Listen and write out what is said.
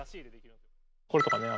これとかね